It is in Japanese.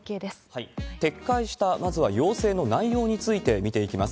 撤回した、まずは要請の内容について見ていきます。